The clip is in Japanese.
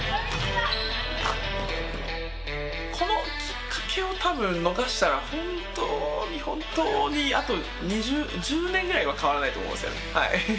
このきっかけを多分逃したら本当に本当にあと１０年ぐらいは変わらないと思うんですよね。